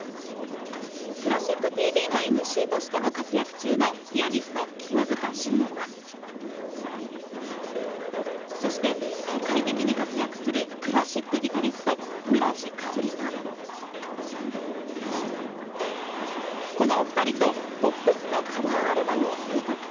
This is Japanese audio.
「クラシックＴＶ」のＭＣとしても活躍中のそして世界的に活躍するこのお二人とポップスのカバーアルバムを制作。